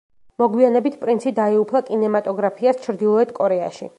მოგვიანებით პრინცი დაეუფლა კინემატოგრაფიას ჩრდილოეთ კორეაში.